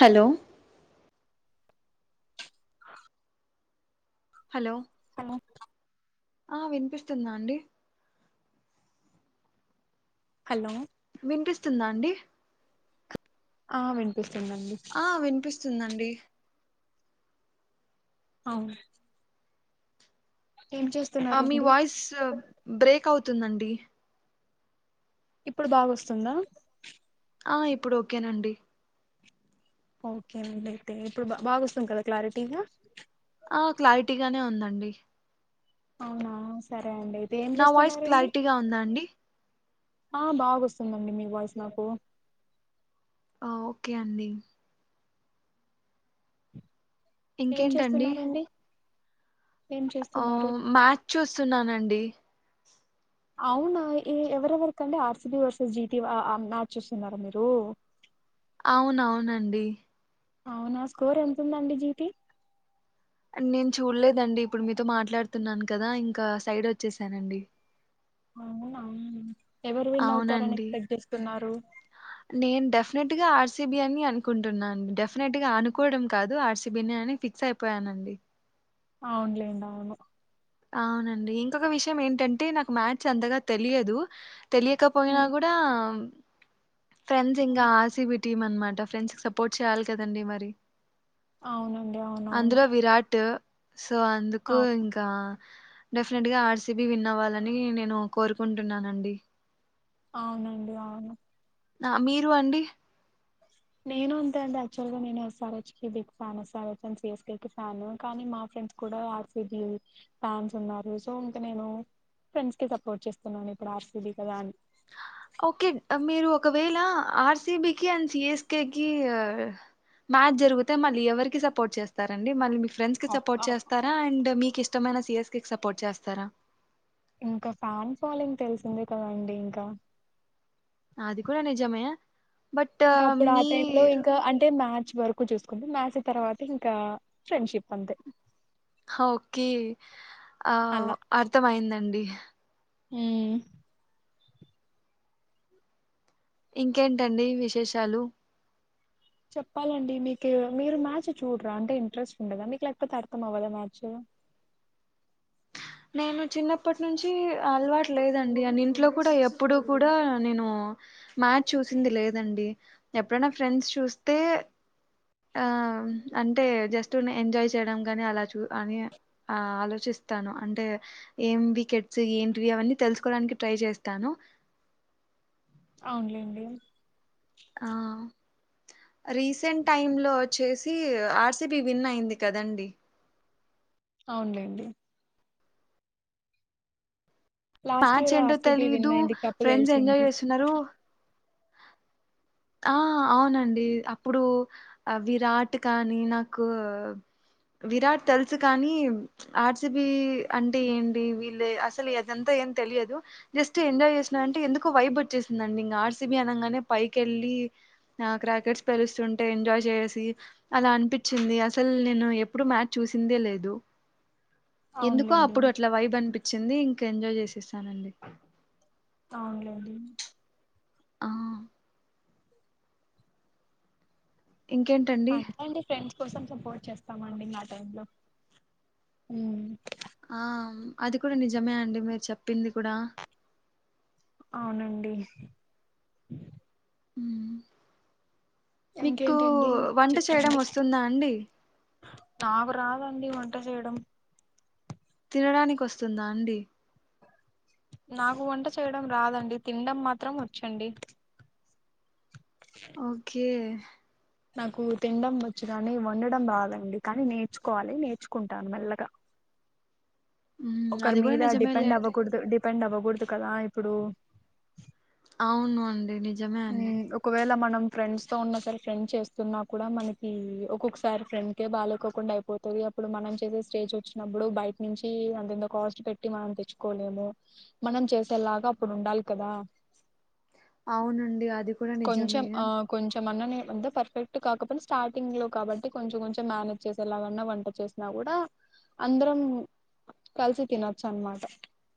Hello [inaudible] hello hello ఆ వినిపిస్తుందా అండి హలో వినపిస్తుందా అండి ఆ వినిపిస్ స్తుంది అండి ఉందండి అవునా ఆ మీ వాయిస్ బ్రేక్ అవుతుందండి ఇప్పుడు బాగాస్తుందా ఆ ఇప్పుడు ఓకేనండి ఓకే అండి అయితే ఇప్పుడు బా బాగాస్తుంది కదా క్లారిటీగా ఆ క్లారిటీగానే ఉందండి అవునా సర నా వాయిస్ క్లారిటీగా ఉందా అండి ఆ బాగొస్తుందండి మీ వాయిస్ నాకు ఓకే అండి ఏం చేస్తున్నారండి ఏం హో చేస్తున్నారు మ్యాచ్ చూస్తున్నానండి అవునా ఏ ఎవరెవరికండి ఆర్సిబి వర్సెస్ జిటి మ్యాచ్ వస్తున్నారా మీరు అవునవునండి అవునా స్కోర్ ఎంత ఉందండి జీతి నేను చూడలేదండి ఇప్పుడు మీతో మాట్లాడుతున్నాను కదా ఇంకా సైడ్ వచ్చేసానండి అవునా ఎవరు విన్ అవుతారని అవునండి యాకస్పెక్ట్ చేస్తున్నారు నేను డెఫినెట్ గా ఆర్సిబి అని అనుకుంటున్నాండి డెఫినెట్ గా అనుకోవడం కాదు ఆర్సిబి అని ఫిక్స్ అయిపోయానండి అవున్లేండి అవును అవునండి ఇంకొక విషయం ఏంటంటే నాకు మ్యాచ్ అంతగా తెలియదు తెలియకపోయినా హ్మ్, కూడా ఫ్రెండ్స్ ఇంగా హ్మ్. ఆర్ సి బి టీమ్ అనమాట ఫ్రెండ్సకి సపోర్ట్ చేయాలి కాదండి మరి అవునండి అవునవును అందులో విరాటు సో అందుకు అవును. ఇంకా డెఫినెట్ గా ఆర్ సిబి విన్ అవ్వాలని నేను కోరుకుంటున్నానండి అవునండి అవును ఆ మీరు అండి నేను అంతే అండి అచవల్గా నేను ఎస్ ఆర్ హెచ్ కి big fan S R H కి పీస్ కి ఫ్యాన్ కానీఫ్రెండ్స్ కూడా ఆర్ సిబి ఫ్యాన్స్ ఉన్నారు సో ఇంకా నేను ఫ్రెండ్ కి సపోర్ట్ చేస్తున్నాను ఇప్పుడు ఆర్ సిబి కదా అని ఓకే మీరు ఒకవేళ ఆర్ సి బి కి అండ్ సి ఎస్ కె కి మ్యాచ్ జరిగితే మళ్ళీ ఎవరికి సపోర్ట్ చేస్తారండి మళ్ళీ మీ ఫ్రెండ్స్ కి ఆఫ్ సపోర్ట్ ఆఫ్ చేస్తారా అండ్ మీకు ఇష్టమైన సి ఎస్ కె కి సపోర్ట్ చేస్తారా ఇంకా ఫ్యాన్ ఫాలోయింగ్ తెలిసిందే కదండి ఇంకా అది కూడా నిజమే బట్ ఇంకా అప్పుడు ఆ టైమ్ లో మీరు ఇంకా అంటే మ్యాచ్ వరకు చూసుకుంది మ్యాచీ తర్వాత ఇంకా ఫ్రెండ్షిప్ అంతే ఓకే ఆ అర్థం అయిందండి మ్మ్ ఇంకేంటండి విశేషాలు చెప్పాలండి మీకు మీరు మ్యాచ్ చూడరా అంటే ఇంట్రెస్ట్ ఉండదా మీకు లేకపోతే అర్థం అవ్వాలా మ్యాచ్ నేను చిన్నప్పటి నుంచి అలవాటు లేదండి అని ఇంట్లో కూడా ఎప్పుడు కూడా నేను మ్యాచ్ చూసింది లేదండి ఎప్పుడైనా ఫ్రెండ్స్ చూస్తే ఆ అంటే జస్ట్ ఎంజాయ్ చేయడం కాగాని అలా చూ అని ఆ ఆలోచిస్తాను అంటే ఏం బికెట్స్ ఏంటి వి అవన్నీ తెలుసుకోడానికి ట్రై చేస్తాను అవునులేండి ఆ రీసెంట్ టైమ్ లో వచ్చేసి ఆర్ సీ బి విన్ అయింది కదండి అవునులేండి లాస్ట్ మ్యాచ్ ఇయర్ ఏంటో ఆర్సిబి విన్ తెలీదు అయింది కప్పు ఫ్రెండ్స్ ఎంజాయ్ గెలిచింది చేస్తున్నారు ఆ అవునండి అప్పుడు విరాట్ కానీ నాకు విరాట్ తెలుసు కానీ ఆర్ సి బి అంటే ఏంటి వీళ్ళే అసలు ఏదంతా ఏం తెలియదు జస్ట్ ఎంజాయ్ చేసినంటే ఎందుక వైబ్ వచ్చేసిందండి ఇంకా ఆర్ సి బి అనగానే పై కెళ్ళి ఆ క్రాకెట్స్ పెలుస్తుంటే ఎంజాయ్ చేసి అలా అనిపించింది అసలు నేను ఎప్పుడు మ్యాచ్ చూసిందే లేదు ఎందుకో అవునులేండి అప్పుడు అట్లా వైబ్ అనిపి వచ్చింది ఇంకా ఎంజాయ్ చేసేసానండి అవునులేండి ఆ ఇంకేంటండి అంత అండి ఫ్రెడ్స్ కోసం సపోర్ట్ చేస్తామ్ అండి ఆ టైమ్ లో ఆ అది కూడా నిజమే అండి మీరు చెప్పింది కూడా అవునండి మ్మ్ మీకు ఇంకేంటండి వంట చేయడం చెప్పండి వస్తుందా అండి నాకు రాదండి వంట చేయడం తినడానికి వస్తుందా అండి నాకు వంట చేయడం రాదండి తినడం మాత్రం వచ్చండి ఓకే నాకు తినడం వచ్చుగానీ వండడం రాదండి కానీ నేర్చుకోవాలి నేర్చుకుంటాను మెల్లగా మ్మ్ ఒకరి అది కూడా మీద డిపెండ్ నిజమేలేండి అవ్వకూడదు డి పెండ్ అవ్వకూడదు కదా ఇప్పుడు అవును అండి నిజ మ్మ్ ఒకవేళ మనం ఫ్రెండ్స్ తో ఉన్నా సర ఫ్రెండ్స్ చేస్తున్నా కూడా మనకి ఒక్కొక్కసారి ఫ్రెండ్కే బాలేకోకుండా అయిపోతది అప్పుడు మనం చేసే స్టేజ్ వచ్చినప్పుడు బయట నుంచి అంతెంత కాస్ట్ పెట్టి మనం తెచ్చుకోలేము మనం చేసేలాగా అప్పుడు ఉండాలి కదా అవునండి అది కూడా కొంచెం నిజమే ఆ కొంచెం అన్న అంత పర్ఫెక్ట్ కాకాపోయిన స్టార్టింగ్లో కాబట్టి కొంచెం కొంచెం మేనేజ్ చేసేలాగన్న వంట చేసిన కూడా అందరం కలిసి తినచ్చనమాట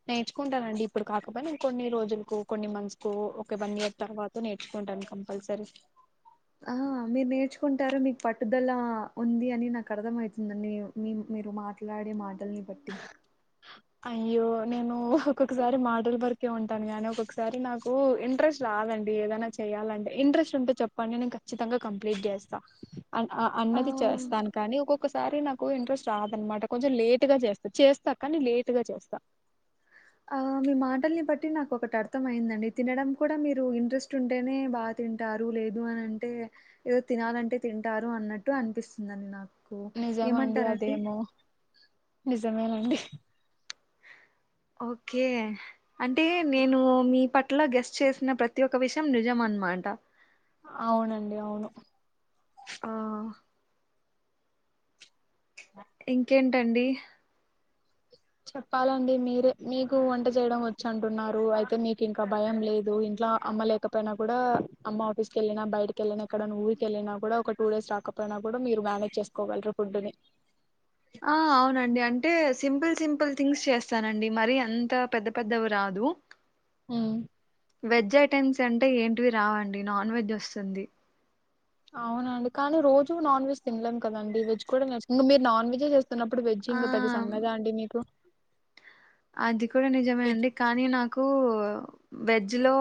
నేర్చుకుంటానండి ఇప్పుడు కాకపోయిన కొన్ని రోజులకో కొన్ని మంత్స్ ఒక వన్ ఇయర్ తర్వా నేర్చుకుంటాను కంపల్సరీ ఆ మీరు నేర్చుకుంటారు మీకు పట్టుదల ఉంది అని నాకర్థమైతుందండి మీ మీరు మాట్లాడే మాటల్ని బట్టి అయ్యో నేను ఒక్కొక్కసారి మాటల బర్ కే ఉంటాను గానీ ఒకొక్కసారి నాకు ఇంట్రెస్ట్ రాదండి ఏదైనా చెయ్యాలంటే ఇంట్రెస్ట్ ఉంటే చెప్పండి నేను ఖచ్చితంగా కంప్లీట్ చేస్తా అన్ అ ఆ అన్నది చేస్తాను కానీ ఒక్కొక్కసారి నా క్కువ ఇంట్రెస్ట్ రాదనమాట కొంచెం లేట్ గా చేస్తా చేస్తా కాని లేటుగా చేస్తా ఆ మీ మాటల్ని బట్టి నాకొకటి అర్థం అయిందండి తినడం కూడ మీరు ఇంట్రెస్ట్ ఉంటేనే బాతింటారు లేదు అనంటే ఎదొ తినాలంటే తింటారు అన్నట్టు అనిపిస్తుందండి నాక్ నిజమండి అదేమో నిజమేనండి ఓకె అంటే నేను మీ పట్ అట్ల గెస్స్ చేసిన ప్రతి ఒక్క విషయం నిజం అన్నమాట అవునండి అవును ఆ ఇంకేంటండి చెప్పాలండి మీరే మీకు వంట చేయడం వచ్చంటున్నారు అయితే మీకు ఇంకా భయం లేదు ఇంట్లో అమ్మ లేకపోయినా కూడా అమ్మ ఆఫీస్ కెళ్ళినా బయటకి వెళ్ళినా ఎక్కడ ఊరికెళ్ళినా కూడా ఒక టూ డేస్ రాకపోయినా కూడా మీరు మేనేజ్ చేసుకోగలరు ఫుడ్ ని ఆ అవునండి అంటే సింపుల్ సింపుల్ థింగ్స్ చేస్తానండి మరీ అంత పెద్దపెద్దవి రాదు ఉమ్, వెజ్ ఐటెమ్స్ ఎం అంటే ఏంటివి రావండి నాన్వెజ్ వస్తుంది అవునండి కానీ రోజు నాన్ వెజ్ తినలేం కదండి వెజ్ కూడా నేర్చ్ ఇంక మీరు నాన్వెజె చే తున్నప్పుడు వెజ్ ఆ ఇంక పెద్ద సంగతా అండి మీకు అది కూడా నిజమే వెజ్ అండి కూడా చే కానీ నాకు వెజ్ లో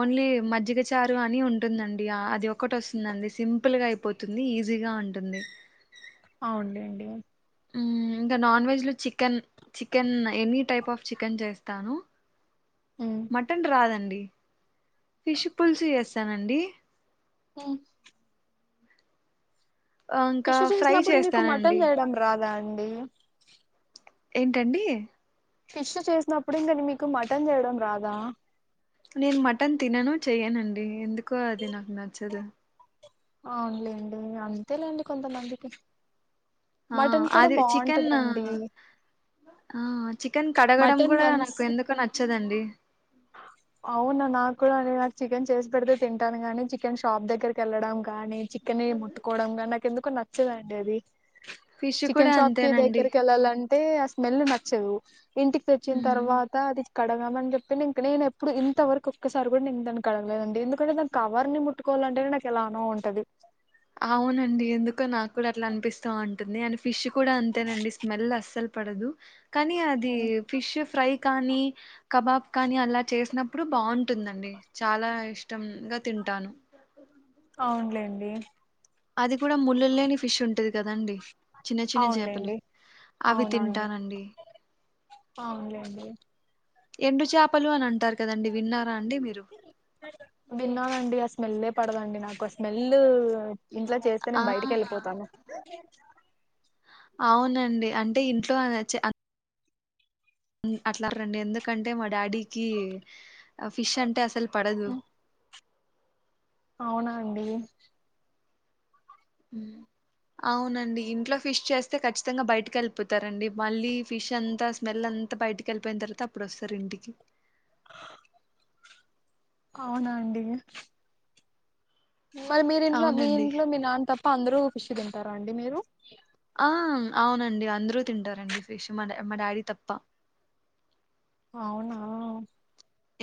ఓన్లీ మజ్జిగ చారు అని ఉంటుందండి ఆ అది ఒకటి వస్తుందండి సింపుల్గా అయిపోతుంది ఈజీగా ఉంటుంది అవునులేండి మ్మ్ ఇంకా నాన్ వెజ్లో chicken chicken any type of chicken చేస్తాను. ఉమ్, మటన్ రాదండి ఫిష్ పులూసు చేస్తానండి ఉ ఆ, ఇంకా ఫిష్ ఫ్రై చేసినప్పుడు మీకు మటన్ చేస్తానండి వేయడం రాదా ఉ బి.. ఏంటండీ ఫిష్ చేసినప్పుడు ఇంకేంటి మీకు మటన్ చేయడం రాదా నేను మటన్ తినను చేయనండి ఎందుకో అది నాకు నచ్చదు అవును లెండి అంతేలేండి కొంతమందికి ఆ మటన్ కూడా అది చికెన్ బాగుంటదండి ఆ చికెన్ కడగడం మటన్ కూడా వన్స్ నాకు ఎందుకో నచ్చదం డి అవునా నాకూడ అదే కానీ చికెన్ చేసి పెడితే తింటాను. గాని చికెన్ షాప్ దగ్గరకి వెళ్ళడం కానీ చికన్ ని ముట్టుకోవడం గా నాకు ఎందుకో నచ్చదండి. ఉంటది. ఫిష్ కూడా చికెన్ షాప్ కి అంతేనండి దగ్గరికి వెళ్లాలం అంటే ఆ స్మెల్ నచ్చదు. ఇంటికి తెచ్చిన మ్మ్ తర్వాత అది కడగమని చెప్ ఇంక నేను ఎప్పుడు ఇంతవరకు ఒక్కసారి కూడా నేను దాన్ని కడగలేదండి. ఎందుకంటే దాని కవర్ ని ముట్టుకోవాలంటే నాకు ఎలానో ఉంటది. ఆవునండి. ఎందుకో నాకు కూడా అట్లా అనిపిస్తా ఉంటుంది. అండ్ ఫిష్ కూడా అంతేనండి. స్మెల్ అస్సలు పడదు. కానీ అది ఫిష్ ఫ్రై కానీ కబాబ్ కానీ అలా చేసినప్పుడు బాగుంటుందండి. చాలా ఇష్టంగా తింటాను. అవునులేండి. అది కూడా ముళ్ళు లేని ఫిష్ ఉంటది కదండి. చిన్న చిన్న చేపలు అవునులేండి అవి అవునండి తింటానండి. అవునులేండి ఎండు చేపలు అని అంటారు. కదండి. విన్నారా అండి మీరు విన్నానండి ఆ స్మెల్లే పడదండి. నాకు స్మెల్లు ఇంట్లో చేస్తే ఆ నేను బయటికి వెళ్ళిపోతాను. అండి అంటే ఇంట్లో అని అచ్ ఉమ్ అట్లా రండి. అందర్ ఎందుకంటే మా డాడీకి ఆ ఫిష్ అంటే అస్సలు పడదు. అవునా అండి. అవునండి. ఇంట్లో ఫిష్ చేస్తే ఖచ్చితంగా బయటకి వెళ్ళిపోతారండి. మళ్ళీ ఫిష్ అంతా స్మెల్ అంతా బయటకి వెళ్ళిపోయిన తర్వాత అప్పుడు వస్తారు. ఇంటికి అవునా అండి. మళ్ళ మిరి ఇంట్లో మీ అవునండి ఇంట్లో మీ నాన్న తప్ప అందరూ ఫిష్ తింటారా అండి మీరు ఆ అవునండి అందరూ తింటారండి. ఫిష్ మా డా మా డాడీ తప్ప అవునా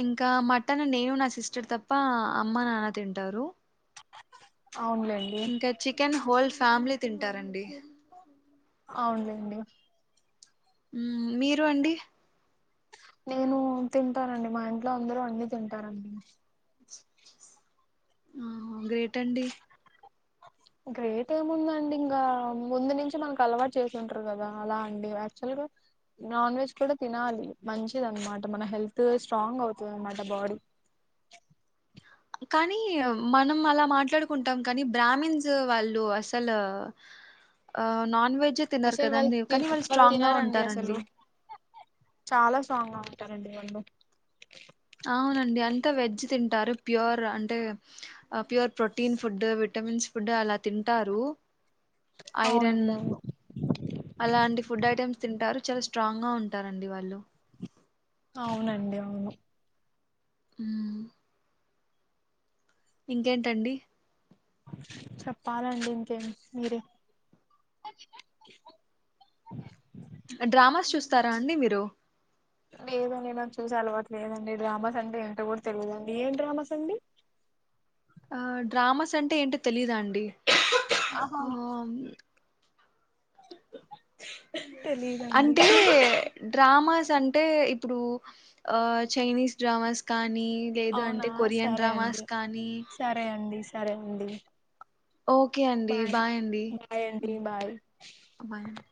ఇంకా మటన్ నేను నా సిస్టర్ తప్ప అమ్మ నాన్న తింటారు. అవునులేండి ఇంకా చికెన్ హోల్స్ ఫ్యామిలీ తింటారండి. అవున్ లేండి. హ్మ్ మీరు అండి. నేను తింటానండి. మా ఇంట్లో అందరూ అన్ని తింటారండి. అహో గ్రేట్ అండి. గ్రేట్ ఏముందండి. ఇంగా ముందు నుంచి మనకు అలవాటు చేసింటారు. కదా అలా అండి యాక్చువల్ గా నాన్ వెజ్ కూడా తినాలి మంచిది అనమాట మన హెల్త్ స్ట్రాంగ్ అవుతుంది. అన్నమాట బాడీ కానీ మనం అలా మాట్లాడుకుంటాం. కానీ బ్రాహ్మిన్స్ వాళ్ళు అస్సలు ఆ నాన్ వె అసలు వాళ్ళు తి వాళ్ళు తినరండి అస్సలు ఉంటారండి చాలా స్ట్రాంగ్ గా తరడి వను అవునండి అంతా వెజ్ తింటారు ప్యూర్ అంటే pure protein food vitamins food అలా తింటారు ఐరన్ అవునండి అవును అలాంటి ఫుడ్ ఐటమ్స్ తింటారు చాలా స్ట్రాంగ్ గా ఉంటారండి వాళ్ళు అవునండి అవును హ్మ్ ఇంకేంటండి చెప్పాలండి ఇంకేం మీరే డ్రామాస్ చూస్తారా అండి మీరు లేదు నాకు చూసే అలవాటు లేదండి డ్రామాస్ అంటే ఏంటో కూడా తెలియదు అండి ఏం డ్రామాస్ అండి ఆ డ్రామాస్ అంటే ఏంటిో తెలీదుా అండి అహ ఆ తెలీదండి అంటే డ్రామాస్ అంటే ఇప్పుడు చైనీస్ డ్రామాస్ కానీ లేదు అవునా అంటే కొరియన్ సరే అండి డ్రామాస్ కానీ సరే అండి సరే అండి ఓకే అండి బాయ్ అండి బాయ్ అండి బాయ్ బాయ్ అండి